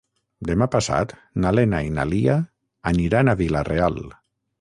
Demà passat na Lena i na Lia aniran a Vila-real.